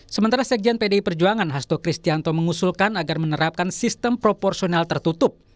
sementara sekjen pdi perjuangan hasto kristianto mengusulkan agar menerapkan sistem proporsional tertutup